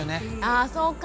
あそうか。